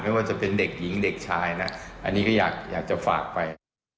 ไม่ว่าจะเป็นเด็กหญิงเด็กชายนะอันนี้ก็อยากจะฝากไป